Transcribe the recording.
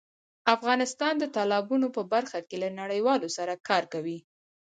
افغانستان د تالابونو په برخه کې له نړیوالو سره کار کوي.